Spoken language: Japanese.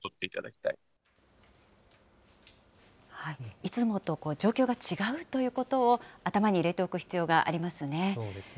いつもと状況が違うということを頭に入れておく必要がありまそうですね。